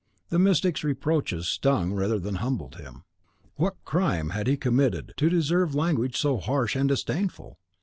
The mystic's reproaches stung rather than humbled him. What crime had he committed to deserve language so harsh and disdainful?